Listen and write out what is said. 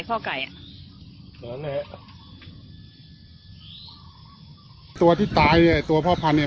พ่อก๋ายอ่ะตัวไหนตัวที่ตายเนี่ยตัวพ่อพันธุ์เนี่ย